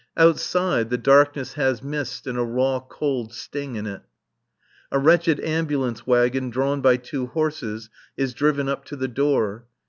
Outside, the darkness has mist and a raw cold sting in it. A wretched ambulance wagon drawn by two horses is driven up to the door.